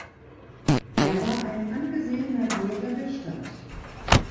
Er war ein angesehener Bürger der Stadt.